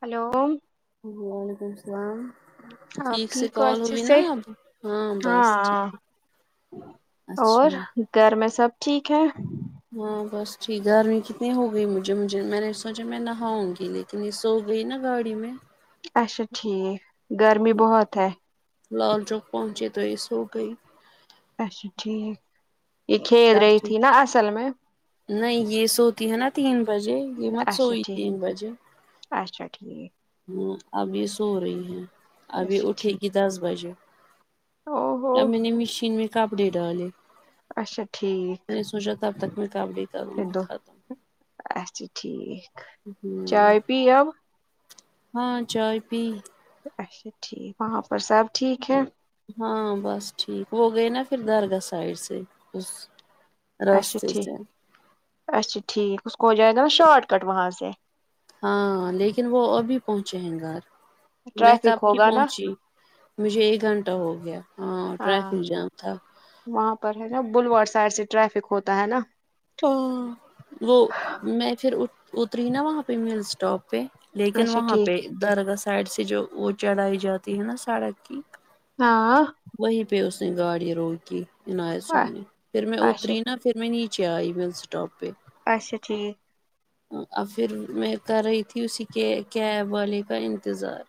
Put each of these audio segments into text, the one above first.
Hello وعلیکم السلام آپ ٹھیک سے ہو کال اچھے ہوئی سے نا اب ہاں بس ہاں ٹھیک اچھا اور گھر میں سب ٹھیک ہے ہاں بس ٹھیک گرمی کتنی ہو گئی مجھے مجھے میں نے سوچے میں نہاؤں گی لیکن اتنی سو گئی نا گاڑی میں اچھا ٹھیک گرمی بہت ہے لال چوک پہنچے تو یے سو گئی اچھا ٹھیک یے کھیل رہی تھی نا اصل میں نہیں یہ سوتی ہے نا تین بجے یہ مت اچھا سوئی تین ٹھیک بجے اچھا ٹھیک وہ ابھی سو رہی ہیں ابھی اچھا اٹھے گی ٹھیک دس بجے او ہو تب میں نے مشین میں کپڑے ڈالے اچھا ٹھیک نے سوچا تب تک میں کام بھی کروں گی دو اچھا ٹھیک ہوں چائے پی اب ہاں چائے پی اچھا ٹھیک وہاں پر سب ٹھیک ہے ہاں بس ٹھیک وہ گئے نا پھر درگاہ سائڈ سے اس اچھا راستے ٹھیک سے اچھا ٹھیک اس کو ہو جاے گا نا شاٹ کٹ وہاں سے ہاں لیکن وہ ابھی پہنچے ہیں گھر میں کب ٹریفک کی ہوگا نا پہنچی مجھے ایک گھنٹہ ہو گیا ہاں ٹریفک جام تھا وہاں پر ہے نا بلوور سائڈ سے ٹریفک ہوتا ہے نا ہاں وہ میں پھر ات اتری نا وہاں پے بس اسٹاپ پے لیکن اچھا وہاں ٹھیک پے درگاہ سائڈ سے جو وہ چڑھائی جاتی ہے نا سڑک کی ہاں وہی پے اس نے گاڑی روکی عنایت صب نے پھر میں اچھا اتری نی چا ائی مل سٹاپ پے اچھا ٹھیک اور پھر میں کر رہی تھی اسی کے کیب والے کا انتظار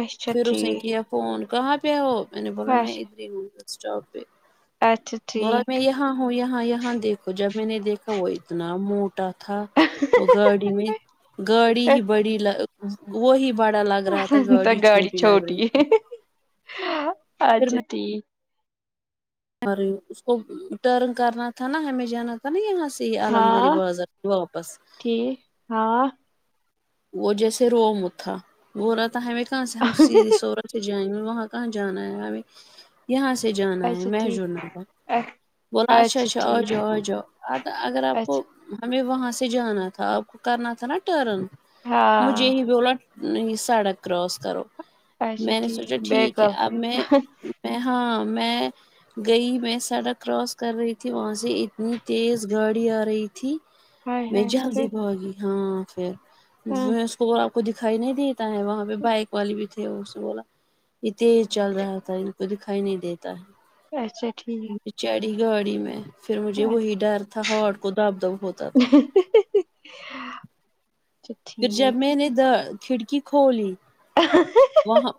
اچھا پھر اس نے ٹھیک کیا فون کہاں پے ہو میں نے بولا میں اچھا ادھر ہی ہو بس اسٹاپ پے اچھا بولا میں ٹھیک یہاں ہوں یہاں یہاں دیکھو جب میں نے دیکھا وہ اتنا موٹا تھا وہ گاڑی میں گاڑی ہی بڑی لا وہی بڑا لگ رہا تھا گاڑی چھو چھوٹی اچھا ٹھیک اور اس کو ٹرن کرنا تھا نا ہمیں جانا تھا تا نہ یہاں سے ہاں عاللمگری بازار واپس ٹھیک ہاں وہ جیسے روم تھا وہ بول رہا تھا ہمیں کہاں سے ہم سیدھی سو رہ سے جانے وہاں کہا جانا ہے یہاں سے جانا ہے اچھا ٹھیک [unintelligible] بولا اچھا اچھا آجاؤ آجاؤ ا اگر آپ کو اچھا ہمیں وہاں سے جانا تھا ٹرن مجھے ہاں ہی بولا سڑک کراس کرو میں نے سوچا ٹھیک ہے اب میں میں ہاں میں گئی میں سڑک کراس کر رہی تھی وہاں سے اتنی تیز گاڑی آ رہی تھی ہائے میں ہائے پھر جلدی بھاگی ہاں پھر ہاں اس کو بولا آپ کو دکھائی نہیں دیتا ہے وہاں پے بائک والی بھی تھی اس نے بولا یے تیز چل رہا تھا ان کو دکھائی نہیں دیت تا ہے اچھا ٹھیک میں چڑی گاڑی میں پھر مجھے وہی ڈر تھا ہارٹ کو دب دب ہوتا تھا ہاں [inaudible] پھر جب میں نے دا کھڑکی کھولی ہ ہ وہاں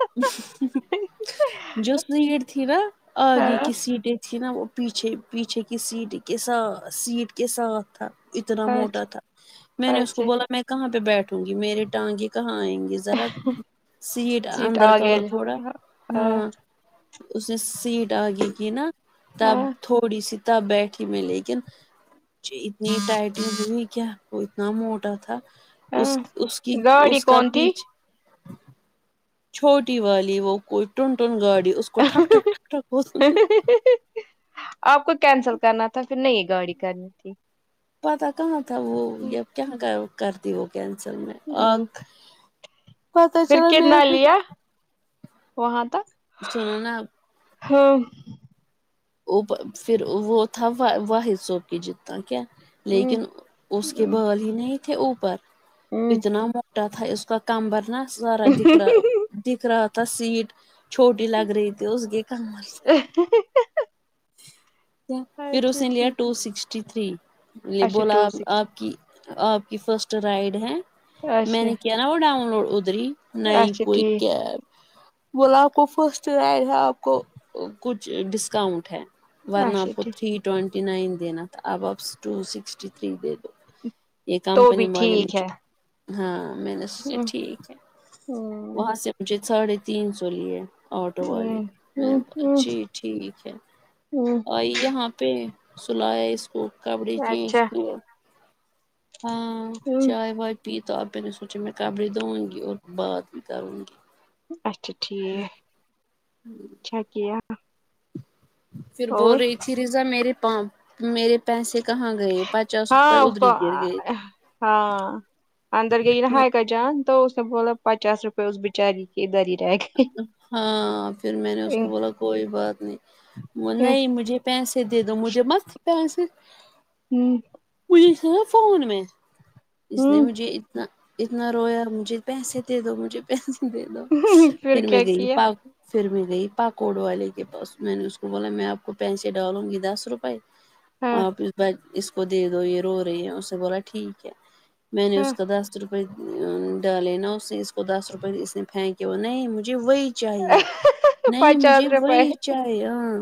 جو سیٹ تھی نا آگے ہاں کی سیٹیں تھی نا وہ پیچھے پیچھے کی سیٹ کے ساتھ سیٹ کے ساتھ تھا اتنا موٹا اچھا تھا میں نے اس کو اچھا بولا میں کہاں پہ بیٹھوں گی میرے ٹانگے کہاں آئیں گی ذرا سیٹ آ اندر کرو گیل تھوڑا ہاں اس نے سیٹ آگے کی نا تب تھوڑی سی تب بیٹھی میں لیکن اتنی ٹائٹنگ ہوئی کیا اتنا موٹا تھا اس اس کی گاڑی اس کا کون تھی پیچ چھوٹی والی وہ کوئی ٹنٹن گاڑی اس ٹھک ٹھک ٹھک ٹھک آپ کو کینسل کرنا تھا پھر نئی گاڑی کرنی تھی پتا کہاں تھا وہ ہ اب کیا کرتی وہ کینسل میں آ پھر کتنا لیا وہاں تک سنو نا ہاں وہ پھر وہ تھا واحد صوب کی جتنا کیا لیکن اس کے بال ہی نہیں تھے اوپر اتنا موٹا تھا اس کا کمبر نا سارا دکھ رہا دکھ رہا تھا سیٹ چھوٹی لگ رہی تھی اس کے کمر سے ہی ہی ہی۔۔۔ پھر اس اچھا نے لیا ٹھیک ٹو سکسٹی تھری اچھا بولا ٹو سکسٹی آپ کی آپ کی فرسٹ رائڈ ہے میں اچھا نے کیا نا وہ ڈاؤن لوڈ ادری نہیں اچھا کوئی ٹھیک کاب بولا آپ کو فرسٹ رائڈ ہے آپ کو کچھ ڈسکاؤنٹ ہے ورنہ اچھا آپ کو ٹھیک تھری ٹینٹی نائن دینا تھا اب آپ ٹو سکسٹی تھری دے دو یہ تو کمپنی بھی والے ٹھیک مجھ ہے ہاں میں نے سوچا ٹھیک ہے وہاں سے مجھے ساڑھے تین سو لیے آٹو والے جی ٹھیک ہے ہمم یہاں پہ سلایا اس کپڑے چینج اچھا اچھا کیے ہاں ٹھیک چائے وائی پی تو آپ نے سوچے میں کبڑ دھوں گی اور بات بھی کروں گی اچھا ٹھیک اچھا کیا پھر بول اور رہی تھی ریزا میرے پ میرے پیسے کہاں گئے پت ہاں اس کو آہاا ہاں اندر گئی نہ ہے کیا جان تو اس نے بولا پچاس روپئے اس بی چاری کی ادھری رہے گئی ہاں پھر میں نے اس کو ہ بولا کوئی بات نہیں نہیں مجھے پیسے دے دو مجھے مت پیسے ہمم اوی فو فون میں اس نے مجھے اتنا رویا مجھے پیسے دے دو مجھے پیسے دے دو [unintelligible] پھر میں کیا کیا گئی پاکوڈوں والے کے پاس میں نے اس کو بولا میں آپ کو پیسے ڈالوں گی دس روپے ہاں آپ ہی بای اس کو دے دو یہ رو رہی ہے اسے بولا ٹھیک ہے میں نے ہاں اس کا دس روپے ڈالے نا اس نے اس کو دس روپئے اس نے پھینکے ہوا نہیں مجھے وہی چاہیے نہیں مجھے پچاس روپئے وہی چاہںے ہاں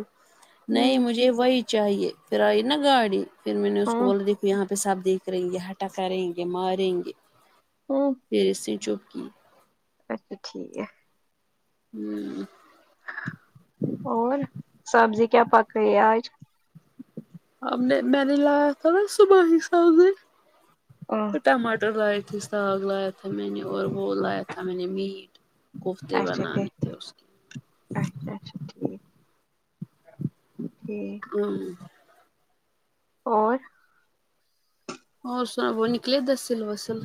نہیں ہ مجھے وہی چاہیے پھر آئی نا گاڑی پھر میں نے اس کو ہاں بولا دیکھو یہا پہ سب دیکھ رہیں گے ہٹا کریں گے ماریں گے ہاں پھر اسسے چوپ کیا اچھا ٹھیک ہے امم اور سبزی کیا پک رہی ہے آج ہمنےمیں نے لایا تھا نا صبح میں سبنے آہ ٹماٹر لائے تھے ساگ لایا تھا میں نے اور وہ لایا تھا میں نے میٹ کوفتے اچھا ٹھیک بناںے تھے اس نے اچھا اچھا ٹھیک ٹھیک ہ اور اور سب وہ نکلے د سل بسل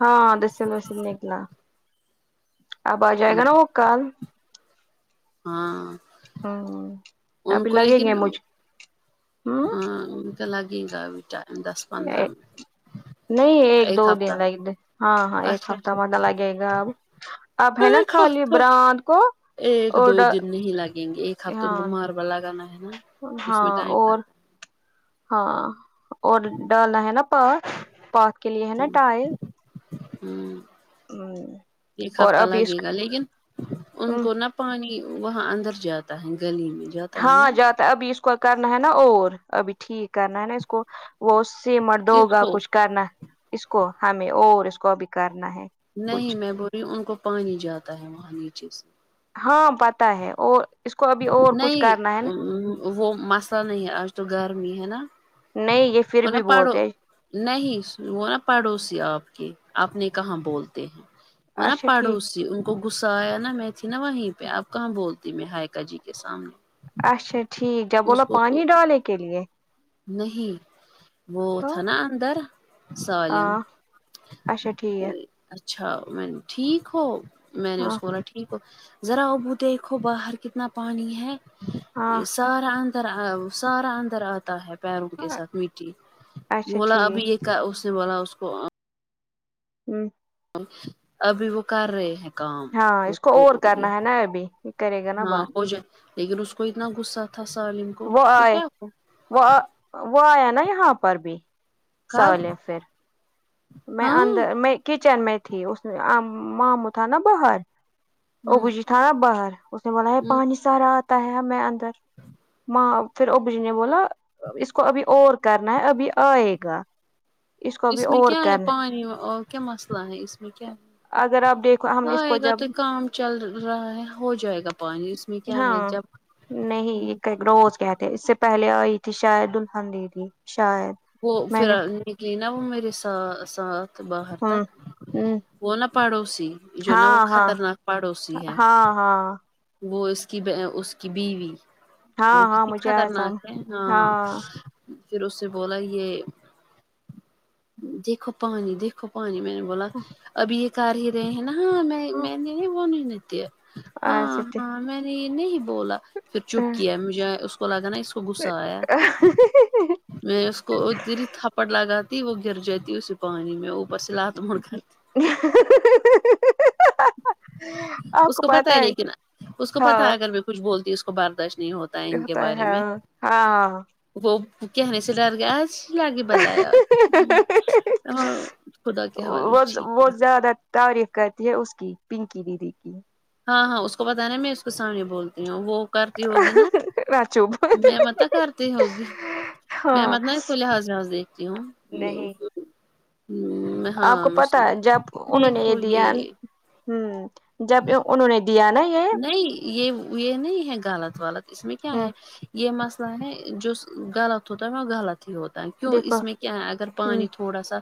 ہاں دسل وسل نکلا اب آ جائے گا نا وہ کال ہاں ہاں ان ابھی کو لگیں گے لیکن مجھ ہ ہاں انکا لگے گا ابھی ٹایم پندرہ من نہیں ایک دو دن لگ ہاں ہاں ایک اچھا ہفتہ اچھا متا لگے گا اب اب ہے نا ایک خالی ہفتہ براند کو ایک دو اور دن نہیں لگیں گے ایک ہفتہ ان ہاں کو مابل لگانا ہے نا اس ہاں میں ٹائم اور لگتا ہاں اور ڈالنا ہے نا پات پات کے لیے ہے نا ٹائل امم ایک اور ہفتہ ابھی اس لگے گا لیکن ان کو نہ پانی وہاں اندر جاتا ہے گلی میں جاتا ہے ہاں نا جاتا ابھی اس کو کرنا ہے نا اور ابھی ٹھیک کرنا ہے نا اس کو وہ سی مر دو کس گا کو کچھ کرنا اس کو ہمیں اور اس کو بھی کرنا ہے نہیں کچھ میں بولی ان کو پانی جاتا ہے وہاں نیچے سے ہاں پتا ہے اور اس کو ابھی اور کچھ نہیں کرنا ہے نا وہ مسئلہ نہیں ہے آج تو گرمی ہے نا نہیں یہ پھر وہ نا بھی پڑو بولتے نہیں وہ نا پڑوسی آپ کے آپ نے کہاں بولتے ہیں وہ نا اچھا ٹھیک پڑوسی ان کو غصہ آ یا نا میں تھی نا وہیں پہ آپ کہاں بولتی میں ہائیک ک جی کے سامنے اچھا ٹھیک ہے اس بولو کو پانی ڈالے کے لیے نہیں وہ تو تھا نا اندر سالم ہاں اچھا ٹھیک ہے اچھا میں ٹھیک ہو میں نے اس ہاں کو ذرا بو دیکھو باہر کتنا پانی ہے ہاں اس سارا اندر سارا اندر آتا ہے پیروں کے ساتھ مٹی اچھا بولا ابھی ٹھیک یہ اس نے بولا اس کو ہوں ابھی وہ کر رہے ہیں کام ہاں اس کو اور کرنا ہے نا ابھی یہ کرے گا نا ہاں بند ہو جائے لیکن اس کو اتنا غصہ تھا سالم کو وہ اس کو آئے کیا وہ وہ آیا نا یہاں پر بھی سا کب ہے پھر میں ہاں اندر میں کچن میں تھی اس مامو تھا نا باہر وہ ہ بجی تھا نا باہر اس نے بولا ہے ہ پانی سارا آتا ہے ہمیں اندر ماں پھر ابو جی نے بولا اس کو ابھی اور کرنا ہے ابھی آئے گا کو ابھی اس میں اور کیا ہے کرنا پانی کیا مسئلہ ہے اس میں کیا ہے اگر آپ دیکھو ہم نے اس آئے کو گا جب تو کام چل رہا ہے ہو جائے گا پانی اس میں کیا ہے ہاں جب نہیں روز کہتےے اس سے پہلے آئی تھی شاید الحن دیدی شاید وہ میں پھر نے نکلی نا وہ میرے سا ساتھ باہر تک ہوں ہوں وہ نا پڑوسی جو نا وہ ہاں ہاں خطرناک پڑوسی ہے ہاں ہاں وہ اس کی اس کی بیوی وہ ہاں ہاں کتنی مجھے آیا خطرناک ہے سمجھ ہاں پھر اسے بولا یے دیکھو پانی دیکھو پانی میں نے بولا ابھی ایک کر ہی رہے ہیں نا ہاں میں میں نے ونی نہیں تی ایسے ہاں ٹھیک ہاں میں نے یے نہیں بولا پھر چپ کیا مجھے اس کو لگا نا اس کو غصہ آیا [inaudible] میں؀اس کو ادھر ہی تھپڑ لگاتی وہ گر جا تی اسی پانی میں اوپر سے لات مار [inaudible] اس کو پتہ ہے لیکن اس کو پتہ ہاں ہے اگر میں کچھ بولتی اس کو برداشت نہیں ہوتا ہے ان کے بارے میں وہ کہہ نے سے ڈر گیا آج لاگے بلایا ہاں خدا کے حوالے وہ ٹھیک وہ ہے زیادہ تعریف کرتی ہے اس کی پنکی دیدی کی ہاں ہاں اس کو بتانا میں اس کے سامنے بولتی ہوں وہ کرتی ہوگی نا راچوب میں مت کرتی ہوگی میں ہاں مطلب کوئی لحاظ وہاز دیکھتی ہوں نہیں آپ ہاں کو پتا جب انہوں نے یے دیکھو دیا یہ ہمم جب انہوں نے دیا نا یے نہیں یے یے نہیں ہے غلط ولط اس میں کیا ہوں ہے یے مسئلہ ہے جو غلط ہوتا ہے وہ غلط ہی ہوتا ہے کیوں دیکھو اس میں کیا ہے اگر ہوں پانی تھوڑا سا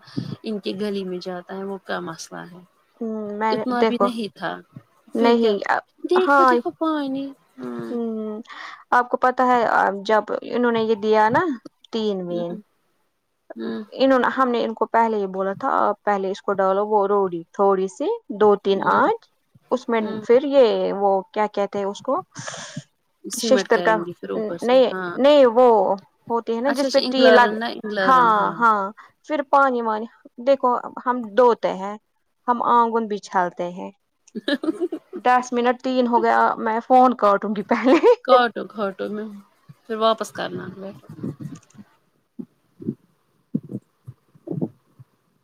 ان کے گلی میں جاتا ہے وہ کا مسئلہ ہے ہوں میں نے اتنا بھی دیکھو نہیں تھا پھر کیا نہیں دیکھو دیکھو پانی ہوں ہمم آپ کو پتا ہے جب انہوں نے یے دیا نا تین میں آمم انہوں نے ہم نے ان کو پہلے ہی بولا تھا پہلے اس کو ڈالو وہ روڑی تھوڑی سی دو تین ہوں آٹھ اس میں ہوں پھر یے وہ کیا کہتے اس کو سیمٹ ششر کریں کا گے پھر اوپر سے نہیں ہاں نہیں وہ ہوتی ہے نا اچھا جس پے اچھا ٹی لگ انگلرن نا انگلرن ہاں ہاں پھر پانی وانی دیکھو ہم دوتے ہیں ہم آنگن بچھالتے ہیں ہ [inaudible] دس منٹ تین ہو گیا میں فون کرٹوں گی پہلے کاٹو گٹو میں پھر واپس کرنا اگلا